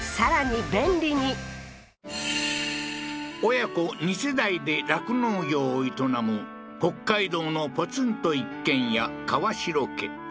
親子二世代で酪農業を営む北海道のポツンと一軒家川代家